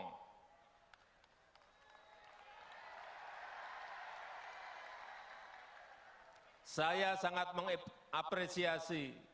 dan saya ingat dulu pertama kali